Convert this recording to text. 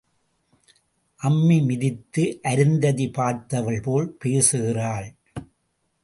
அம்மி மிதித்து அருந்ததி பார்த்தவள்போல் பேசுகிறாள்.